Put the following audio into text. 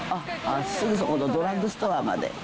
すぐそこのドラッグストアまで。